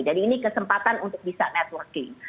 jadi ini kesempatan untuk bisa networking